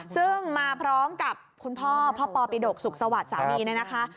ซึ่งมาพร้อมกับคุณพ่อพ่อปอปิดกสุขสวัสดิ์สามีเนี่ยนะคะ